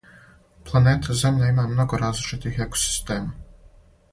Планета Земља има много различитих екосистема.